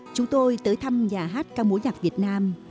chúng tôi tới thăm nhà hát ca mối nhạc việt nam